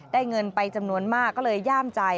เงินไปจำนวนมากก็เลยย่ามใจ